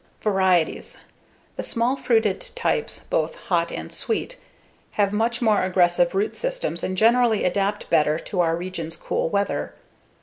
Varieties: The small fruited types, both hot and sweet, have much more aggressive root systems and generally adapt better to our region's cool weather.